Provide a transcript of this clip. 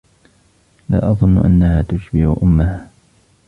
لا أظن أنها تشبه أمها.